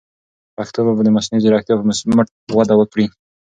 پښتو به د مصنوعي ځیرکتیا په مټ وده وکړي.